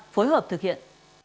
phối hợp thực hiện